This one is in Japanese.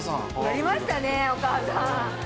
やりましたねお母さん。